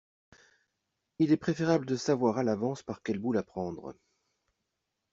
Il est préférable de savoir à l’avance par quel bout la prendre.